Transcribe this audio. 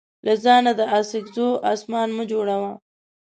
له ځانه د اڅکزو اسمان مه جوړوه.